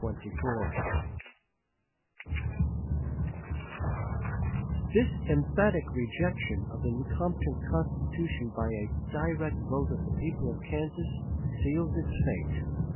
This emphatic rejection of the Lecompton Constitution by a direct vote of the people of Kansas sealed its fate.